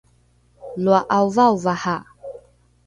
loa ’aovaovaha!